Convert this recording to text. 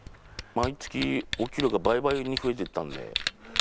毎月、お給料が倍々に増えていったので。